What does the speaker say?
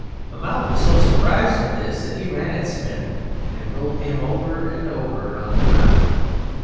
Mahmoud was so surprised at this that he ran at Smith, and rolled him over and over on the ground.